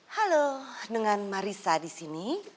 halo dengan marissa di sini